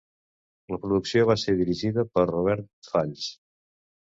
La producció va ser dirigida per Robert Falls.